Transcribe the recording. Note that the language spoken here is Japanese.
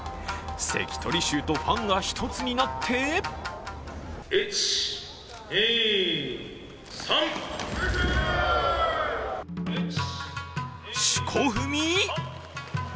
関取衆とファンが１つになって四股踏み？